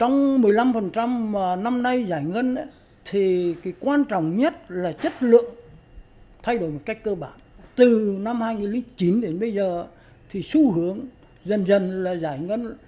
năm hai nghìn chín đến bây giờ thì xu hướng dần dần là giải ngân là các công nghệ cao các dịch vụ hiện đại